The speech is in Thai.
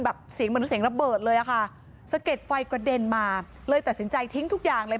เสียงเหมือนเสียงระเบิดเลยอะค่ะสะเก็ดไฟกระเด็นมาเลยตัดสินใจทิ้งทุกอย่างเลย